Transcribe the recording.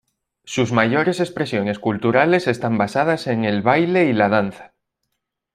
Sus mayores expresiones culturales están basadas en el baile y la danza.